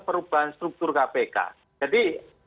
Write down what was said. perubahan struktur kpk jadi